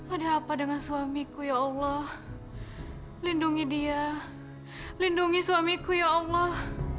ada apa dengan suamiku ya allah lindungi dia lindungi suamiku ya allah